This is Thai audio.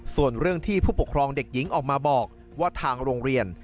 ส่วนเรื่องที่ผู้ปกครองเด็กหญิงออกมาบอกว่าทางโรงเรียน